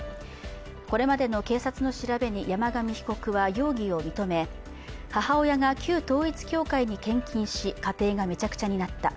これまでの警察の調べに山上被告は容疑を認め母親が旧統一教会に献金し、家庭がめちゃくちゃになった。